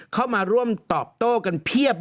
เข้ามาร่วมตอบโต้กันเพียบ